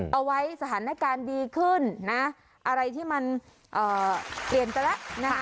เอาไว้สถานการณ์ดีขึ้นนะอะไรที่มันเปลี่ยนไปแล้วนะคะ